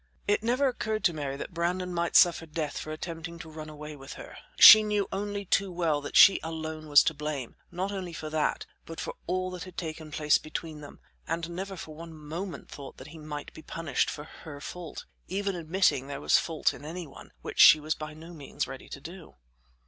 It never occurred to Mary that Brandon might suffer death for attempting to run away with her. She knew only too well that she alone was to blame, not only for that, but for all that had taken place between them, and never for one moment thought that he might be punished for her fault, even admitting there was fault in any one, which she was by no means ready to do.